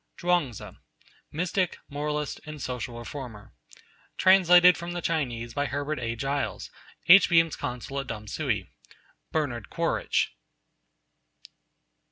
Chuang Tzu: Mystic, Moralist, and Social Reformer. Translated from the Chinese by Herbert A. Giles, H.B.M.'s Consul at Tamsui. (Bernard Quaritch.)